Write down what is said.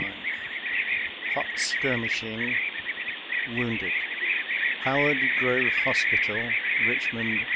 XXV hot skiemishing — wounded Howard Grove Hospital, Eiohmond, Va.